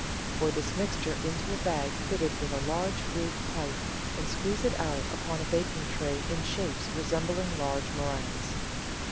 Pour this mixture into a bag fitted with a large, grooved pipe, and squeeze it out upon a baking tray in shapes resembling large meringues.